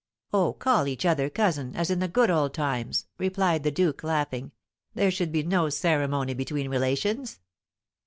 "Oh, call each other cousin, as in the good old times," replied the duke, laughing. "There should be no ceremony between relations."